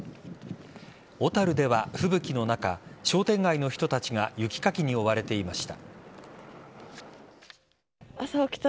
小樽では吹雪の中商店街の人たちが雪かきに追われていました。